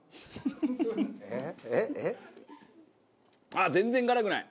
あっ全然辛くない！